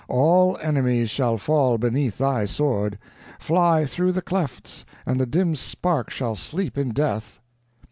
All enemies shall fall beneath thy sword. Fly through the clefts, and the dim spark shall sleep in death."